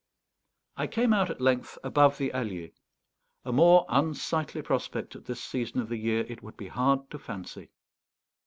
I came out at length above the Allier. A more unsightly prospect at this season of the year it would be hard to fancy.